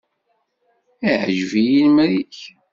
Iɛǧeb-iyi lemri-k.